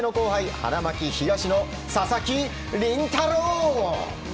花巻東の佐々木麟太郎。